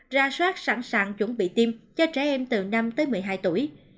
ra soát sẵn sàng chuẩn bị tiêm cho trẻ em từ năm tới một mươi hai tuổi